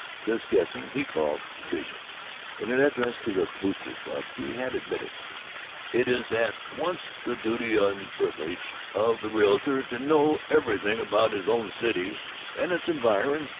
This guessing he called Vision. In an address at the Boosters' Club he had admitted, "It is at once the duty and the privilege of the realtor to know everything about his own city and its environs.